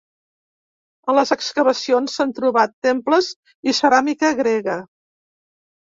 A les excavacions s'han trobat temples i ceràmica grega.